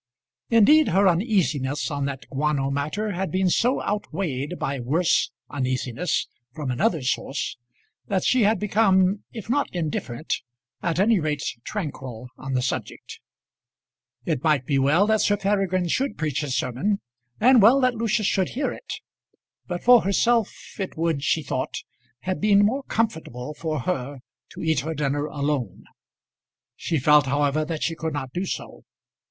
Indeed, her uneasiness on that guano matter had been so outweighed by worse uneasiness from another source, that she had become, if not indifferent, at any rate tranquil on the subject. It might be well that Sir Peregrine should preach his sermon, and well that Lucius should hear it; but for herself it would, she thought, have been more comfortable for her to eat her dinner alone. She felt, however, that she could not do so.